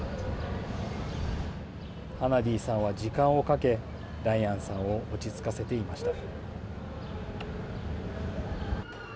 ハナディさんは時間をかけ、ラヤンさんを落ち着かせていました。